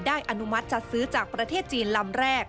อนุมัติจัดซื้อจากประเทศจีนลำแรก